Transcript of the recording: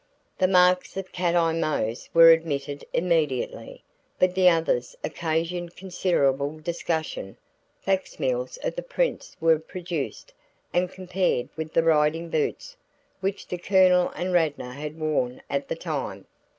The marks of Cat Eye Mose were admitted immediately, but the others occasioned considerable discussion. Facsimiles of the prints were produced and compared with the riding boots which the Colonel and Radnor had worn at the time.